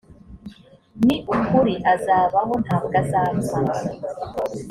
ni ukuri azabaho ntabwo azapfa